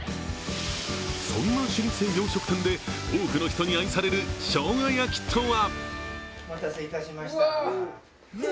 そんな老舗洋食店で多くの人に愛される、しょうが焼きとは。